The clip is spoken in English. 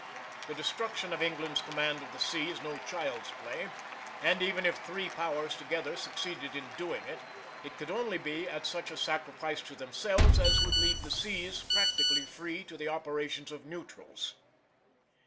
The destruction of England's command of the sea is no child's play, and even if three Powers together succeeded in doing it, it could only be at such a sacrifice to themselves as would leave the seas practically free to the operations of neutrals.